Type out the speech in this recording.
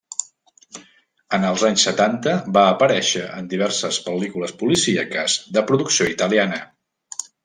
En els anys setanta va aparèixer en diverses pel·lícules policíaques de producció italiana.